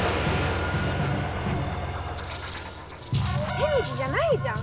テニスじゃないじゃん！